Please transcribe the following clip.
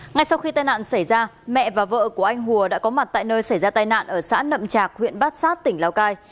ngay sau khi tai nạn xảy ra mẹ và vợ của anh hùa đã có mặt tại nơi xảy ra tai nạn ở xã nậm trạc huyện bát sát tỉnh lào cai